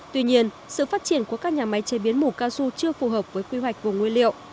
tuy nhiên sự phát triển của các nhà máy chế biến mủ cao su chưa phù hợp với quy hoạch vùng nguyên liệu